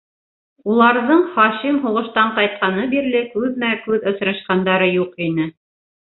Уларҙың Хашим һуғыштан ҡайтҡаны бирле күҙмә-күҙ осрашҡандары юҡ ине.